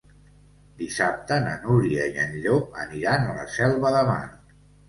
Dissabte na Núria i en Llop aniran a la Selva de Mar.